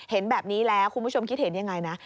เห็นแบบนี้แล้วคุณผู้ชมคิดเห็นยังไงนะ